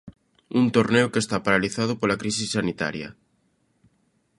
Un torneo que está paralizado pola crise sanitaria.